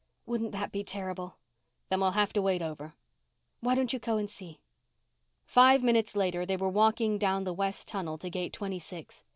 "Wouldn't that be terrible?" "Then we'll have to wait over." "Why don't you go and see?" Five minutes later they were walking down the west tunnel to gate twenty six.